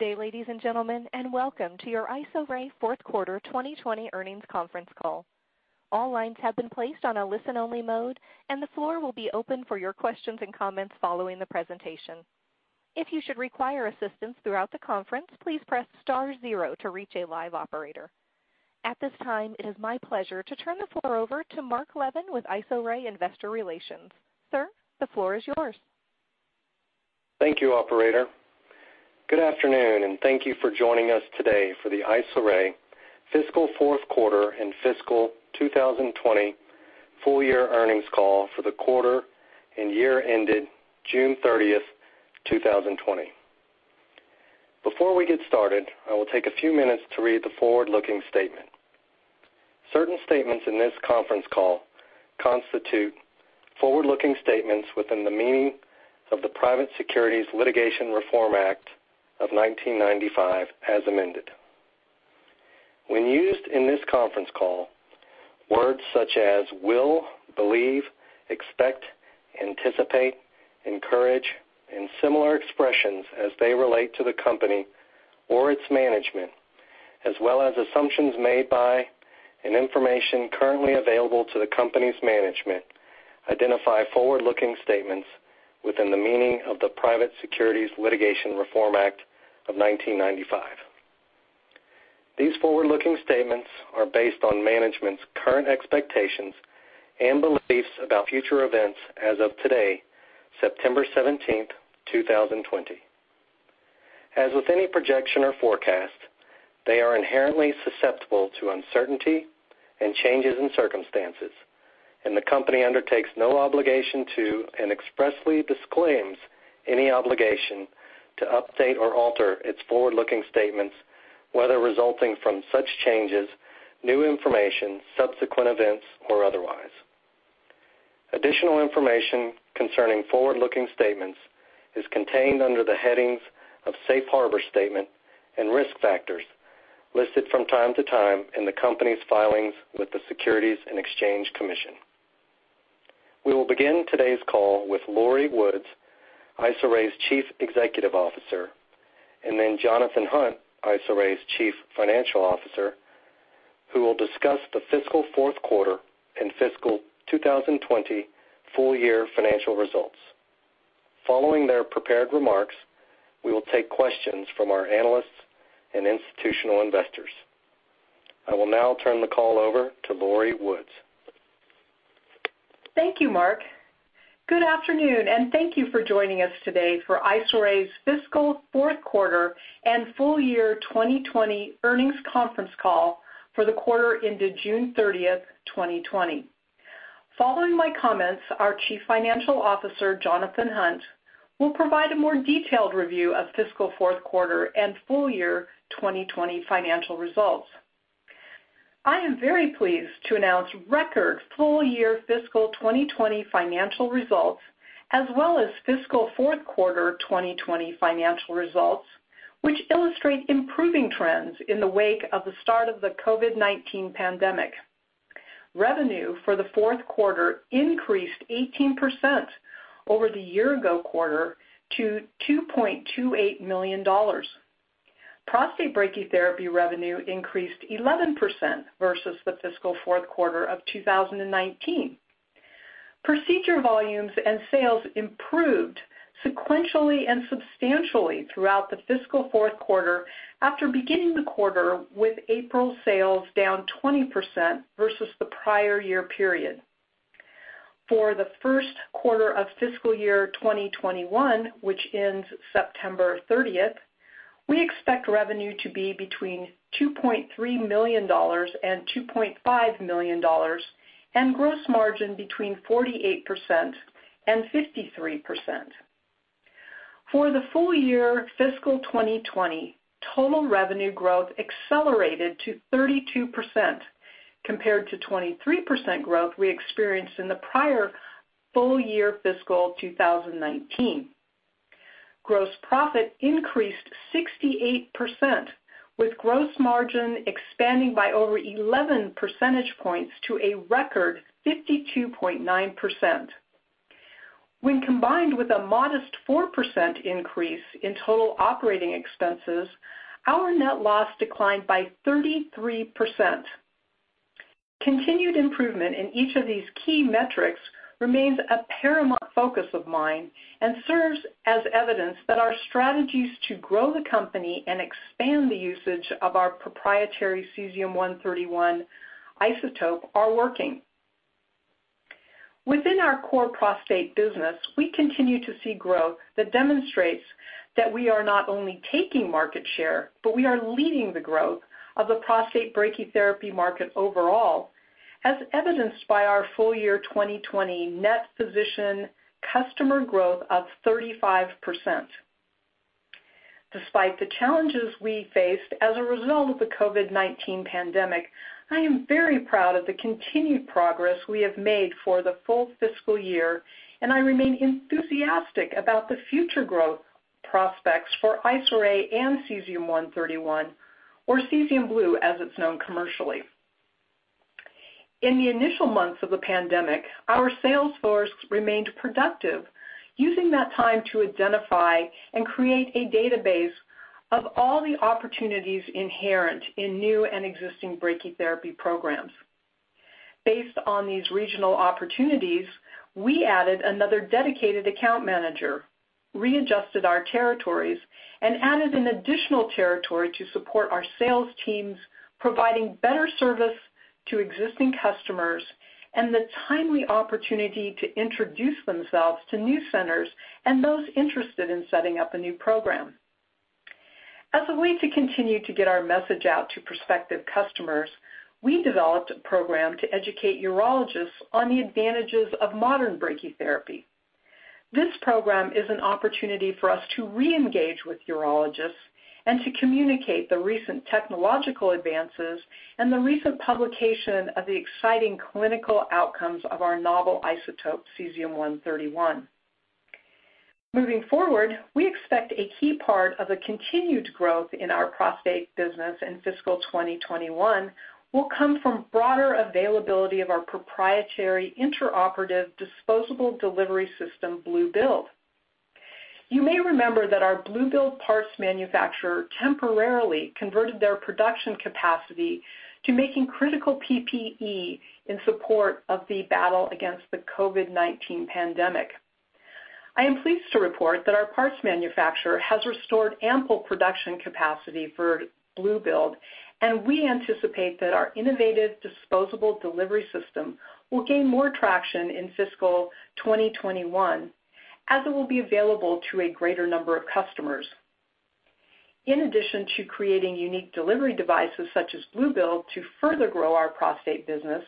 Good day, ladies and gentlemen, and Welcome to your IsoRay fourth quarter 2020 earnings conference call. All lines have been placed on a listen-only mode, and the floor will be open for your questions and comments following the presentation. At this time, it is my pleasure to turn the floor over to Mark Levin with IsoRay Investor Relations. Sir, the floor is yours. Thank you, operator. Good afternoon, thank you for joining us today for the IsoRay fiscal fourth quarter and fiscal 2020 full year earnings call for the quarter and year ended June 30th, 2020. Before we get started, I will take a few minutes to read the forward-looking statement. Certain statements in this conference call constitute forward-looking statements within the meaning of the Private Securities Litigation Reform Act of 1995 as amended. When used in this conference call, words such as will, believe, expect, anticipate, encourage, and similar expressions as they relate to the company or its management, as well as assumptions made by and information currently available to the company's management, identify forward-looking statements within the meaning of the Private Securities Litigation Reform Act of 1995. These forward-looking statements are based on management's current expectations and beliefs about future events as of today, September 17th, 2020. As with any projection or forecast, they are inherently susceptible to uncertainty and changes in circumstances, and the company undertakes no obligation to, and expressly disclaims any obligation to update or alter its forward-looking statements, whether resulting from such changes, new information, subsequent events, or otherwise. Additional information concerning forward-looking statements is contained under the headings of Safe Harbor Statement and Risk Factors listed from time to time in the company's filings with the Securities and Exchange Commission. We will begin today's call with Lori Woods, IsoRay's Chief Executive Officer, and then Jonathan Hunt, IsoRay's Chief Financial Officer, who will discuss the fiscal fourth quarter and fiscal 2020 full year financial results. Following their prepared remarks, we will take questions from our analysts and institutional investors. I will now turn the call over to Lori Woods. Thank you, Mark. Good afternoon, and thank you for joining us today for IsoRay's fiscal fourth quarter and full year 2020 earnings conference call for the quarter ended June 30th, 2020. Following my comments, our Chief Financial Officer, Jonathan Hunt, will provide a more detailed review of fiscal fourth quarter and full year 2020 financial results. I am very pleased to announce record full year fiscal 2020 financial results, as well as fiscal fourth quarter 2020 financial results, which illustrate improving trends in the wake of the start of the COVID-19 pandemic. Revenue for the fourth quarter increased 18% over the year ago quarter to $2.28 million. Prostate brachytherapy revenue increased 11% versus the fiscal fourth quarter of 2019. Procedure volumes and sales improved sequentially and substantially throughout the fiscal fourth quarter after beginning the quarter with April sales down 20% versus the prior year period. For the first quarter of fiscal year 2021, which ends September 30th, we expect revenue to be between $2.3 million-$2.5 million, and gross margin between 48%-53%. For the full year fiscal 2020, total revenue growth accelerated to 32% compared to 23% growth we experienced in the prior full year fiscal 2019. Gross profit increased 68%, with gross margin expanding by over 11 percentage points to a record 52.9%. When combined with a modest 4% increase in total operating expenses, our net loss declined by 33%. Continued improvement in each of these key metrics remains a paramount focus of mine and serves as evidence that our strategies to grow the company and expand the usage of our proprietary cesium-131 isotope are working. Within our core prostate business, we continue to see growth that demonstrates that we are not only taking market share, but we are leading the growth of the prostate brachytherapy market overall, as evidenced by our full year 2020 net physician customer growth of 35%. Despite the challenges we faced as a result of the COVID-19 pandemic, I am very proud of the continued progress we have made for the full fiscal year, and I remain enthusiastic about the future growth prospects for IsoRay and cesium-131, or Cesium Blu, as it's known commercially. In the initial months of the pandemic, our sales force remained productive, using that time to identify and create a database of all the opportunities inherent in new and existing brachytherapy programs. Based on these regional opportunities, we added another dedicated account manager, readjusted our territories, and added an additional territory to support our sales teams, providing better service to existing customers and the timely opportunity to introduce themselves to new centers and those interested in setting up a new program. As a way to continue to get our message out to prospective customers, we developed a program to educate urologists on the advantages of modern brachytherapy. This program is an opportunity for us to re-engage with urologists and to communicate the recent technological advances and the recent publication of the exciting clinical outcomes of our novel isotope, cesium-131. Moving forward, we expect a key part of a continued growth in our prostate business in fiscal 2021 will come from broader availability of our proprietary intraoperative disposable delivery system, Blu Build. You may remember that our Blu Build parts manufacturer temporarily converted their production capacity to making critical PPE in support of the battle against the COVID-19 pandemic. I am pleased to report that our parts manufacturer has restored ample production capacity for Blu Build, we anticipate that our innovative disposable delivery system will gain more traction in fiscal 2021, as it will be available to a greater number of customers. In addition to creating unique delivery devices such as Blu Build to further grow our prostate business,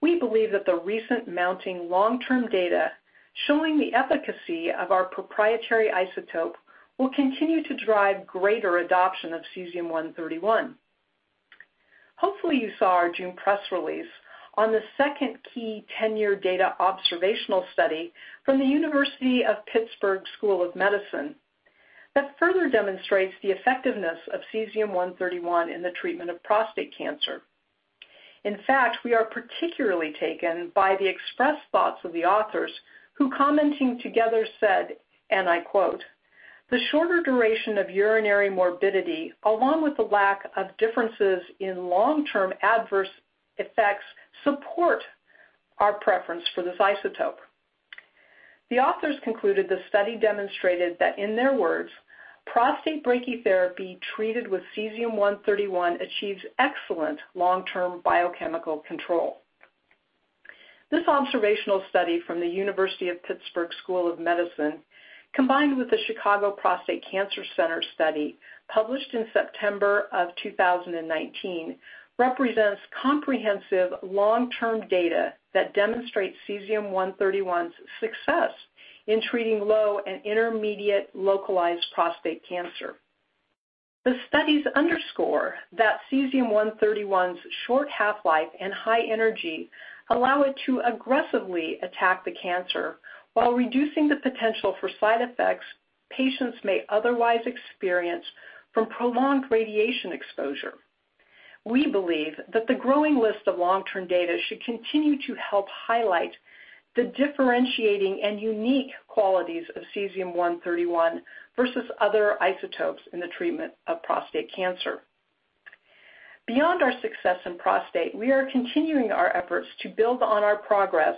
we believe that the recent mounting long-term data showing the efficacy of our proprietary isotope will continue to drive greater adoption of cesium-131. Hopefully, you saw our June press release on the 2nd key 10-year data observational study from the University of Pittsburgh School of Medicine that further demonstrates the effectiveness of cesium-131 in the treatment of prostate cancer. In fact, we are particularly taken by the expressed thoughts of the authors, who, commenting together, said, and I quote, "The shorter duration of urinary morbidity, along with the lack of differences in long-term adverse effects, support our preference for this isotope." The authors concluded the study demonstrated that, in their words, "Prostate brachytherapy treated with cesium-131 achieves excellent long-term biochemical control." This observational study from the University of Pittsburgh School of Medicine, combined with the Chicago Prostate Cancer Center study published in September of 2019, represents comprehensive long-term data that demonstrates cesium-131's success in treating low and intermediate localized prostate cancer. The studies underscore that cesium-131's short half-life and high energy allow it to aggressively attack the cancer while reducing the potential for side effects patients may otherwise experience from prolonged radiation exposure. We believe that the growing list of long-term data should continue to help highlight the differentiating and unique qualities of cesium-131 versus other isotopes in the treatment of prostate cancer. Beyond our success in prostate, we are continuing our efforts to build on our progress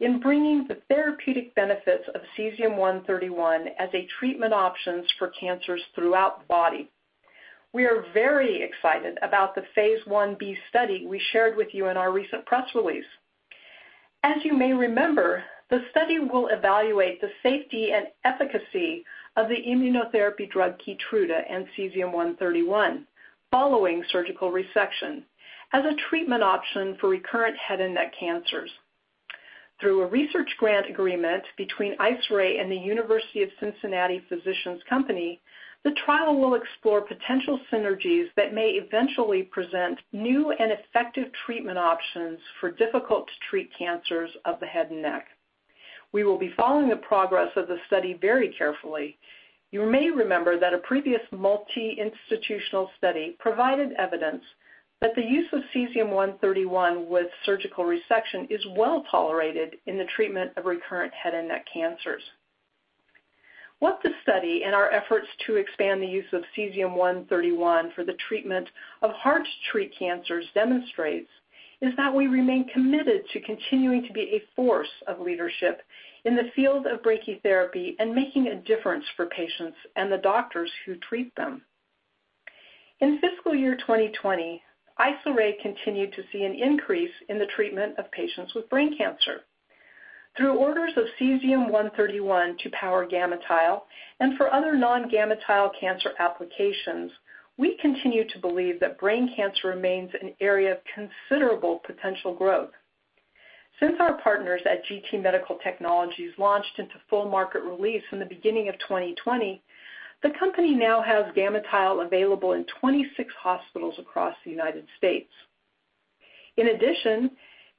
in bringing the therapeutic benefits of cesium-131 as a treatment option for cancers throughout the body. We are very excited about the phase I-B study we shared with you in our recent press release. As you may remember, the study will evaluate the safety and efficacy of the immunotherapy drug Keytruda and cesium-131 following surgical resection as a treatment option for recurrent head and neck cancers. Through a research grant agreement between IsoRay and the University of Cincinnati Physicians Company, the trial will explore potential synergies that may eventually present new and effective treatment options for difficult-to-treat cancers of the head and neck. We will be following the progress of the study very carefully. You may remember that a previous multi-institutional study provided evidence that the use of cesium-131 with surgical resection is well-tolerated in the treatment of recurrent head and neck cancers. What the study and our efforts to expand the use of cesium-131 for the treatment of hard-to-treat cancers demonstrates is that we remain committed to continuing to be a force of leadership in the field of brachytherapy and making a difference for patients and the doctors who treat them. In fiscal year 2020, IsoRay continued to see an increase in the treatment of patients with brain cancer. Through orders of cesium-131 to power GammaTile and for other non-GammaTile cancer applications, we continue to believe that brain cancer remains an area of considerable potential growth. Since our partners at GT Medical Technologies launched into full market release in the beginning of 2020, the company now has GammaTile available in 26 hospitals across the United States. In addition,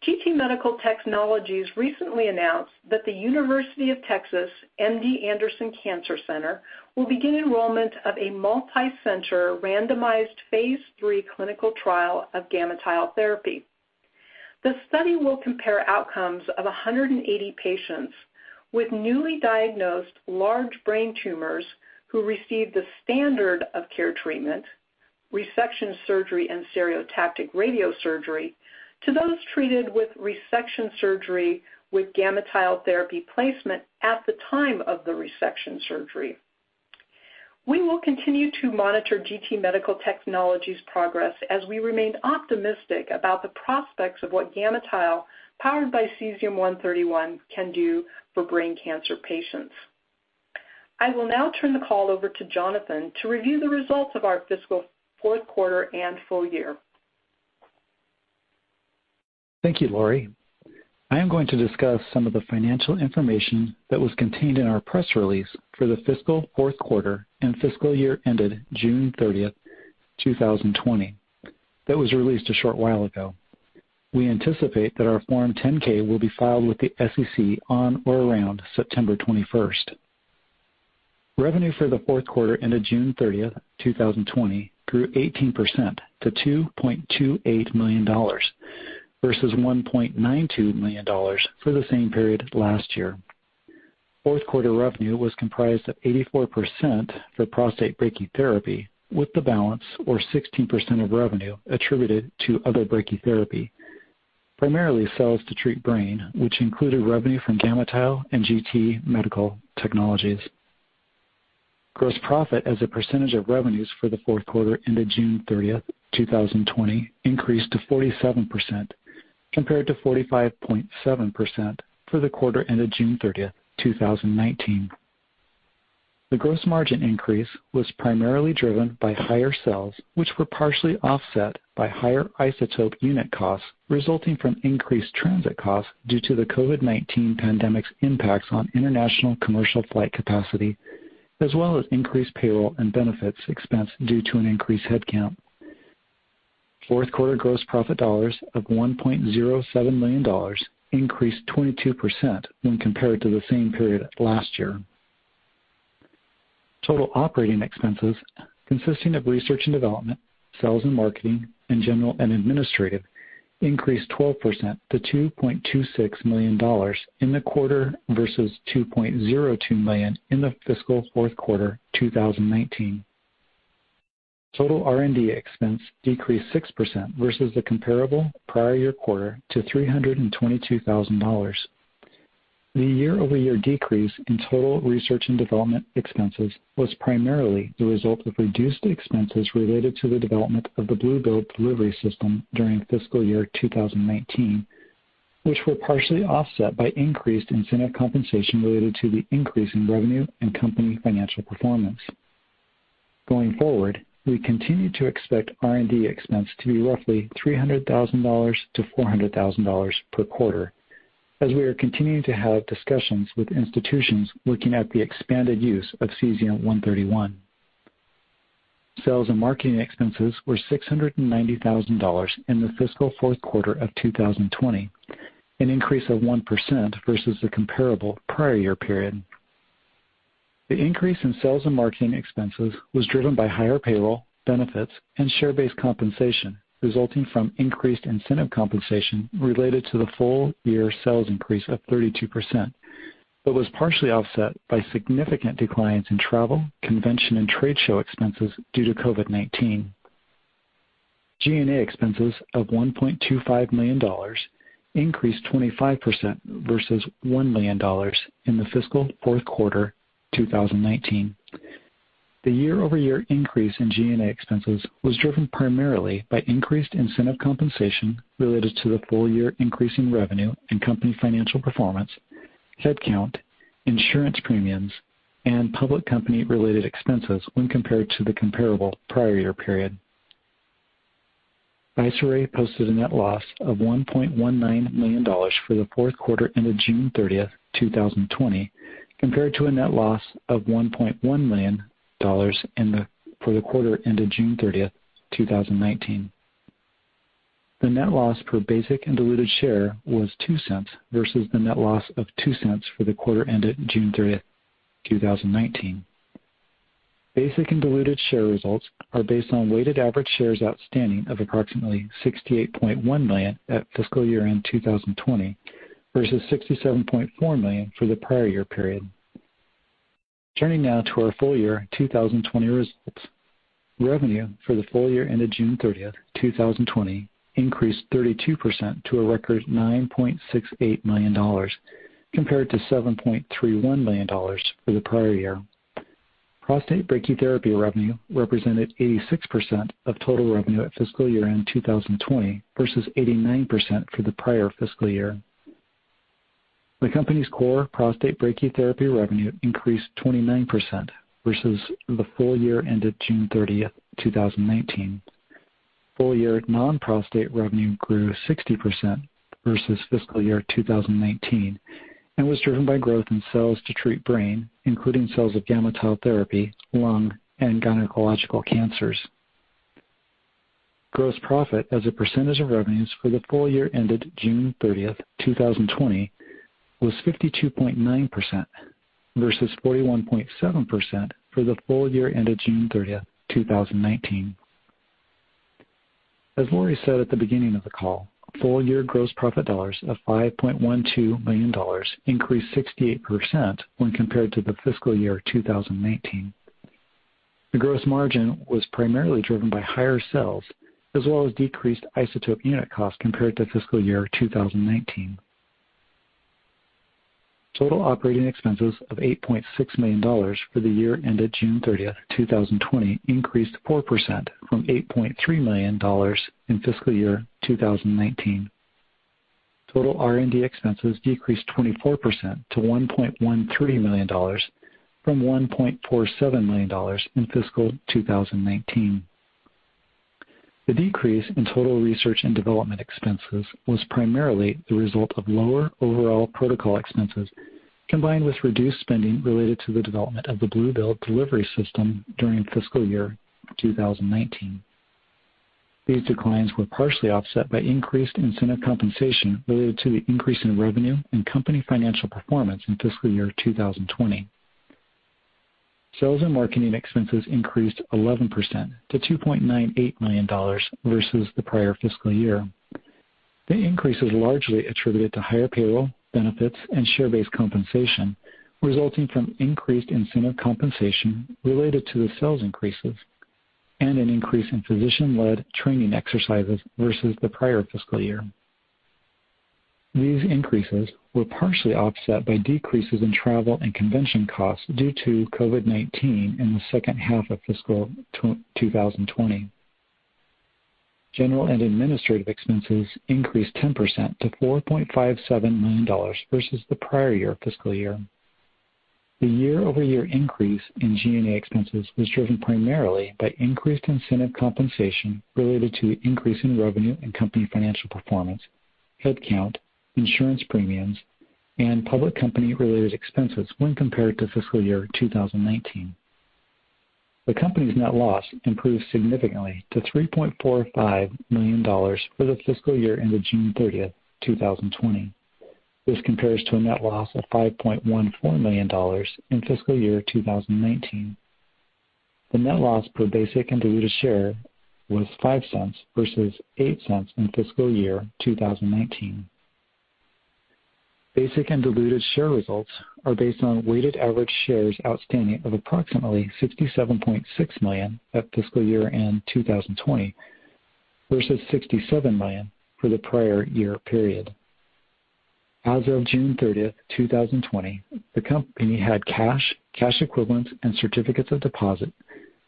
GT Medical Technologies recently announced that The University of Texas MD Anderson Cancer Center will begin enrollment of a multicenter randomized phase III clinical trial of GammaTile therapy. The study will compare outcomes of 180 patients with newly diagnosed large brain tumors who received the standard of care treatment, resection surgery, and stereotactic radiosurgery, to those treated with resection surgery with GammaTile therapy placement at the time of the resection surgery. We will continue to monitor GT Medical Technologies' progress as we remain optimistic about the prospects of what GammaTile, powered by cesium-131 can do for brain cancer patients. I will now turn the call over to Jonathan to review the results of our fiscal fourth quarter and full year. Thank you, Lori. I am going to discuss some of the financial information that was contained in our press release for the fiscal fourth quarter and fiscal year ended June 30th, 2020 that was released a short while ago. We anticipate that our Form 10-K will be filed with the SEC on or around September 21st. Revenue for the fourth quarter ended June 30th, 2020, grew 18% to $2.28 million versus $1.92 million for the same period last year. Fourth quarter revenue was comprised of 84% for prostate brachytherapy, with the balance or 16% of revenue attributed to other brachytherapy, primarily cells to treat brain, which included revenue from GammaTile and GT Medical Technologies. Gross profit as a percentage of revenues for the fourth quarter ended June 30th, 2020 increased to 47% compared to 45.7% for the quarter ended June 30th, 2019. The gross margin increase was primarily driven by higher sales, which were partially offset by higher isotope unit costs resulting from increased transit costs due to the COVID-19 pandemic's impacts on international commercial flight capacity, as well as increased payroll and benefits expense due to an increased headcount. Fourth quarter gross profit dollars of $1.07 million increased 22% when compared to the same period last year. Total operating expenses consisting of research and development, sales and marketing, and general and administrative increased 12% to $2.26 million in the quarter versus $2.02 million in the fiscal fourth quarter 2019. Total R&D expense decreased 6% versus the comparable prior year quarter to $322,000. The year-over-year decrease in total research and development expenses was primarily the result of reduced expenses related to the development of the Blu Build delivery system during fiscal year 2019, which were partially offset by increased incentive compensation related to the increase in revenue and company financial performance. Going forward, we continue to expect R&D expense to be roughly $300,000-$400,000 per quarter as we are continuing to have discussions with institutions looking at the expanded use of cesium-131. Sales and marketing expenses were $690,000 in the fiscal fourth quarter of 2020, an increase of 1% versus the comparable prior year period. The increase in sales and marketing expenses was driven by higher payroll, benefits, and share-based compensation resulting from increased incentive compensation related to the full-year sales increase of 32%, but was partially offset by significant declines in travel, convention, and trade show expenses due to COVID-19. G&A expenses of $1.25 million increased 25% versus $1 million in the fiscal fourth quarter 2019. The year-over-year increase in G&A expenses was driven primarily by increased incentive compensation related to the full-year increase in revenue and company financial performance, headcount, insurance premiums, and public company-related expenses when compared to the comparable prior year period. IsoRay posted a net loss of $1.19 million for the fourth quarter ended June 30th, 2020 compared to a net loss of $1.1 million for the quarter ended June 30th, 2019. The net loss per basic and diluted share was $0.02 versus the net loss of $0.02 for the quarter ended June 30th, 2019. Basic and diluted share results are based on weighted average shares outstanding of approximately 68.1 million at fiscal year-end 2020 versus 67.4 million for the prior year period. Turning now to our full year 2020 results. Revenue for the full year ended June 30th, 2020 increased 32% to a record $9.68 million compared to $7.31 million for the prior year. Prostate brachytherapy revenue represented 86% of total revenue at fiscal year-end 2020 versus 89% for the prior fiscal year. The company's core prostate brachytherapy revenue increased 29% versus the full year ended June 30th, 2019. Full year non-prostate revenue grew 60% versus fiscal year 2019 and was driven by growth in sales to treat brain, including sales of GammaTile therapy, lung, and gynecological cancers. Gross profit as a percentage of revenues for the full year ended June 30th, 2020, was 52.9%, versus 41.7% for the full year ended June 30th, 2019. As Lori said at the beginning of the call, full year gross profit dollars of $5.12 million increased 68% when compared to the fiscal year 2019. The gross margin was primarily driven by higher sales, as well as decreased isotope unit cost compared to fiscal year 2019. Total operating expenses of $8.6 million for the year ended June 30th, 2020 increased 4% from $8.3 million in fiscal year 2019. Total R&D expenses decreased 24% to $1.13 million from $1.47 million in fiscal 2019. The decrease in total research and development expenses was primarily the result of lower overall protocol expenses, combined with reduced spending related to the development of the Blu Build delivery system during fiscal year 2019. These declines were partially offset by increased incentive compensation related to the increase in revenue and company financial performance in fiscal year 2020. Sales and marketing expenses increased 11% to $2.98 million versus the prior fiscal year. The increase is largely attributed to higher payroll, benefits, and share-based compensation, resulting from increased incentive compensation related to the sales increases and an increase in physician-led training exercises versus the prior fiscal year. These increases were partially offset by decreases in travel and convention costs due to COVID-19 in the second half of fiscal 2020. General and administrative expenses increased 10% to $4.57 million versus the prior fiscal year. The year-over-year increase in G&A expenses was driven primarily by increased incentive compensation related to the increase in revenue and company financial performance, head count, insurance premiums, and public company-related expenses when compared to fiscal year 2019. The company's net loss improved significantly to $3.45 million for the fiscal year ended June 30th, 2020. This compares to a net loss of $5.14 million in fiscal year 2019. The net loss per basic and diluted share was $0.05 versus $0.08 in fiscal year 2019. Basic and diluted share results are based on weighted average shares outstanding of approximately 67.6 million at fiscal year-end 2020 versus 67 million for the prior year period. As of June 30th, 2020, the company had cash equivalents, and certificates of deposit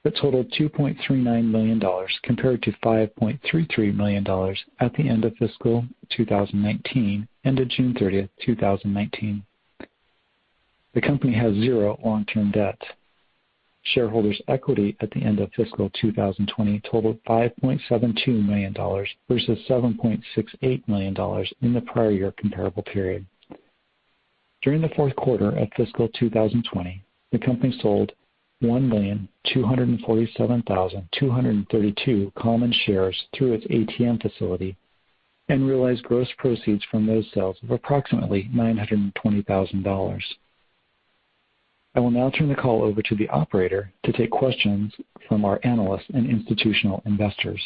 that totaled $2.39 million compared to $5.33 million at the end of fiscal 2019, ended June 30th, 2019. The company has zero long-term debt. Shareholders' equity at the end of fiscal 2020 totaled $5.72 million versus $7.68 million in the prior year comparable period. During the fourth quarter of fiscal 2020, the company sold 1,247,232 common shares through its ATM facility and realized gross proceeds from those sales of approximately $920,000. I will now turn the call over to the operator to take questions from our analysts and institutional investors.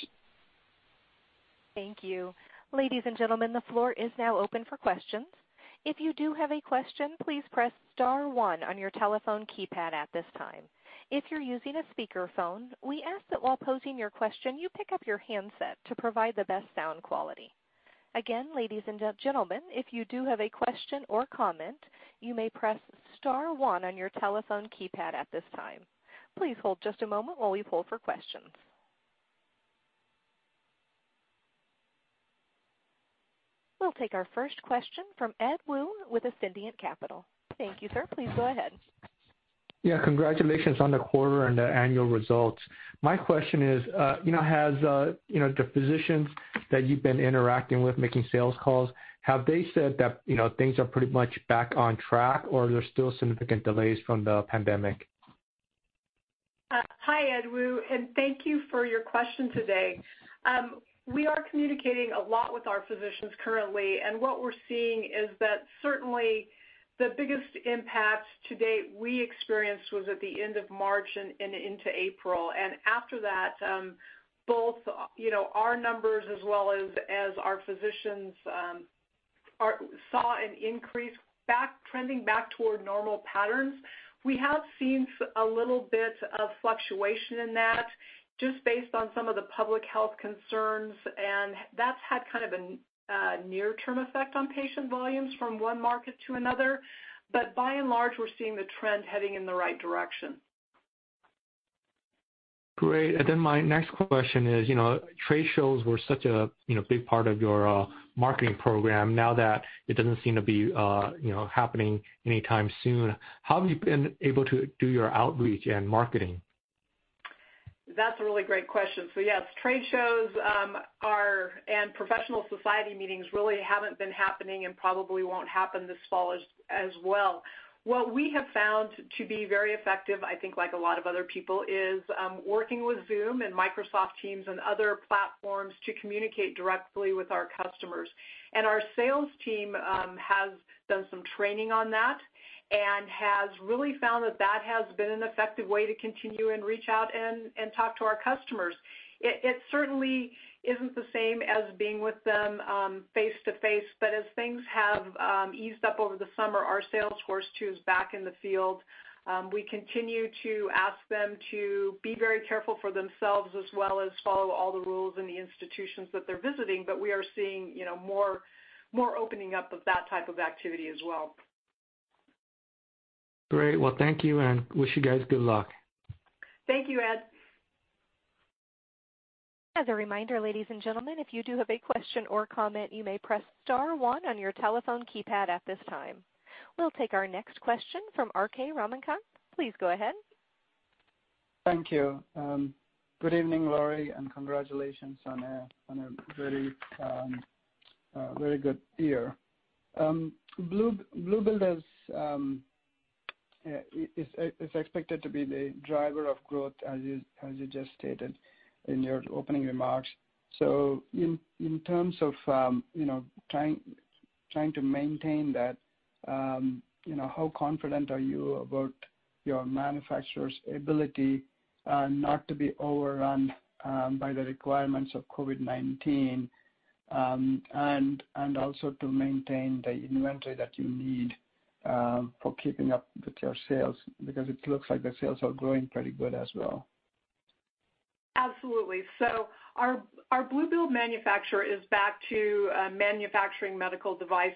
Thank you. Ladies and gentlemen, the floor is now open for questions. We'll take our 1st question from Ed Woo with Ascendiant Capital. Thank you, sir. Please go ahead. Congratulations on the quarter and the annual results. My question is, the physicians that you've been interacting with, making sales calls, have they said that things are pretty much back on track, or are there still significant delays from the pandemic? Hi, Ed Woo, and thank you for your question today. We are communicating a lot with our physicians currently. What we're seeing is that certainly the biggest impact to date we experienced was at the end of March and into April. After that, both our numbers as well as our physicians saw an increase trending back toward normal patterns. We have seen a little bit of fluctuation in that just based on some of the public health concerns. That's had kind of a near-term effect on patient volumes from one market to another. By and large, we're seeing the trend heading in the right direction. Great. My next question is, trade shows were such a big part of your marketing program. Now that it doesn't seem to be happening anytime soon, how have you been able to do your outreach and marketing? That's a really great question. Yes, trade shows and professional society meetings really haven't been happening and probably won't happen this fall as well. What we have found to be very effective, I think like a lot of other people, is working with Zoom and Microsoft Teams and other platforms to communicate directly with our customers. Our sales team has done some training on that and has really found that that has been an effective way to continue and reach out and talk to our customers. It certainly isn't the same as being with them face-to-face, but as things have eased up over the summer, our sales force, too, is back in the field. We continue to ask them to be very careful for themselves, as well as follow all the rules in the institutions that they're visiting. We are seeing more opening up of that type of activity as well. Great. Well, thank you, and wish you guys good luck. Thank you, Ed. As a reminder, ladies and gentlemen, if you do have a question or comment, you may press star one on your telephone keypad at this time. We'll take our next question from Swayampakula Ramakanth. Please go ahead. Thank you. Good evening, Lori, and congratulations on a very good year. Blu Build is expected to be the driver of growth as you just stated in your opening remarks. In terms of trying to maintain that, how confident are you about your manufacturer's ability not to be overrun by the requirements of COVID-19, and also to maintain the inventory that you need for keeping up with your sales? Because it looks like the sales are growing pretty good as well. Absolutely. Our Blu Build manufacturer is back to manufacturing medical devices,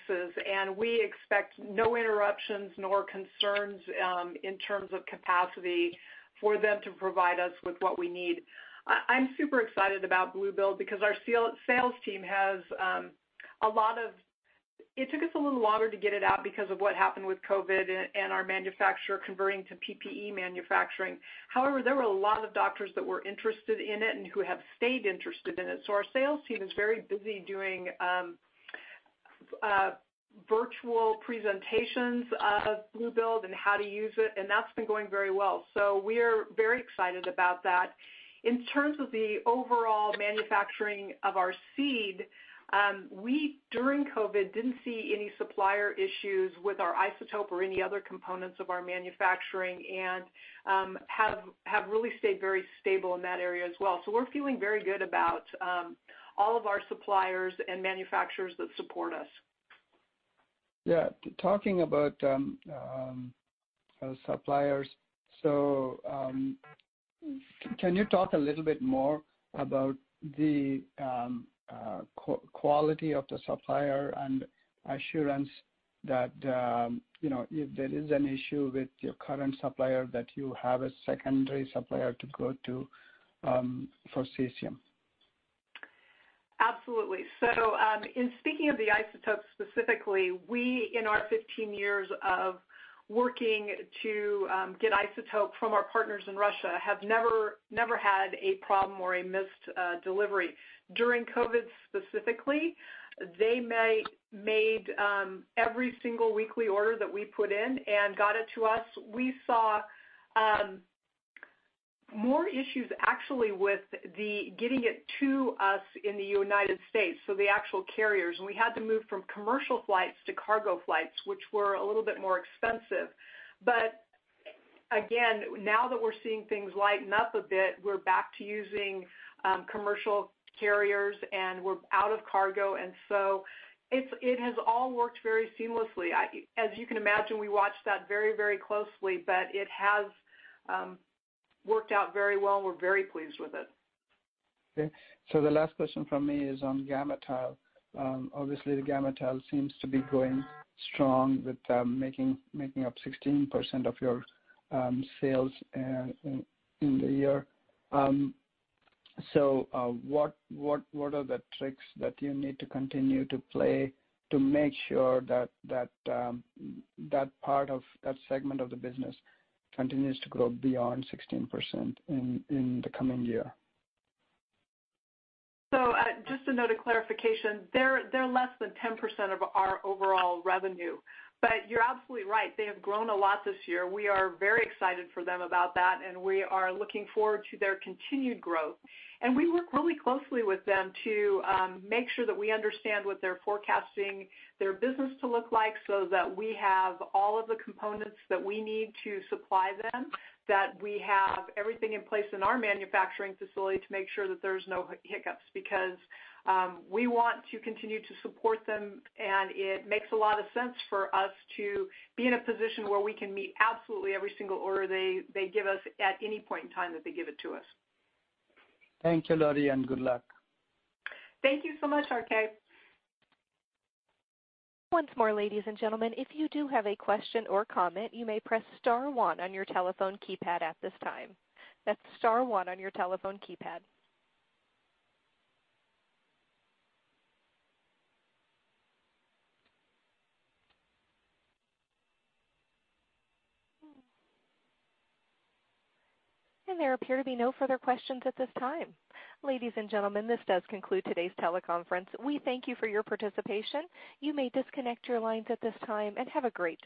and we expect no interruptions nor concerns in terms of capacity for them to provide us with what we need. I'm super excited about Blu Build because our sales team has It took us a little longer to get it out because of what happened with COVID and our manufacturer converting to PPE manufacturing. There were a lot of doctors that were interested in it and who have stayed interested in it. Our sales team is very busy doing virtual presentations of Blu Build and how to use it, and that's been going very well. We're very excited about that. In terms of the overall manufacturing of our seed, we, during COVID-19, didn't see any supplier issues with our isotope or any other components of our manufacturing, and have really stayed very stable in that area as well. We're feeling very good about all of our suppliers and manufacturers that support us. Yeah. Talking about suppliers, can you talk a little bit more about the quality of the supplier and assurance that if there is an issue with your current supplier, that you have a secondary supplier to go to for cesium? In speaking of the isotopes specifically, we in our 15 years of working to get isotope from our partners in Russia, have never had a problem or a missed delivery. During COVID, specifically, they made every single weekly order that we put in and got it to us. We saw more issues actually with the getting it to us in the United States, so the actual carriers. We had to move from commercial flights to cargo flights, which were a little bit more expensive. Again, now that we're seeing things lighten up a bit, we're back to using commercial carriers, and we're out of cargo, and so it has all worked very seamlessly. As you can imagine, we watch that very closely, but it has worked out very well. We're very pleased with it. Okay. The last question from me is on GammaTile. Obviously, the GammaTile seems to be going strong with making up 16% of your sales in the year. What are the tricks that you need to continue to play to make sure that part of that segment of the business continues to grow beyond 16% in the coming year? Just a note of clarification, they're less than 10% of our overall revenue. You're absolutely right, they have grown a lot this year. We are very excited for them about that, we are looking forward to their continued growth. We work really closely with them to make sure that we understand what they're forecasting their business to look like so that we have all of the components that we need to supply them, that we have everything in place in our manufacturing facility to make sure that there's no hiccups, because we want to continue to support them, and it makes a lot of sense for us to be in a position where we can meet absolutely every single order they give us at any point in time that they give it to us. Thank you, Lori, and good luck. Thank you so much, RK. Once more, ladies and gentlemen, if you do have a question or comment, you may press star one on your telephone keypad at this time. That's star one on your telephone keypad. There appear to be no further questions at this time. Ladies and gentlemen, this does conclude today's teleconference. We thank you for your participation. You may disconnect your lines at this time, and have a great day.